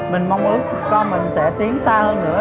mình mong ước con mình sẽ tiến xa hơn nữa